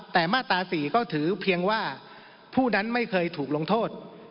แต่มาตรา๔ก็ถือเพียงว่าผู้นั้นไม่เคยถูกลงโทษ